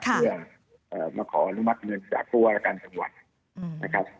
เพื่อมาขออนุมัติเงินจากผู้ว่าราชการจังหวัดนะครับ